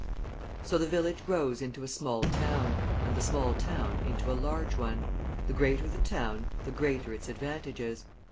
So the village grows into a small town, and the small town into a large one. The greater the town, the greater its advantages.